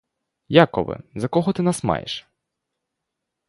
Якове, за кого ти нас маєш?